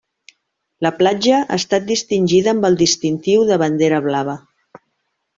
La platja ha estat distingida amb el distintiu de Bandera Blava.